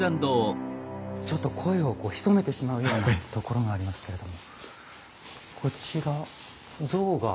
ちょっと声をこう潜めてしまうようなところがありますけれども。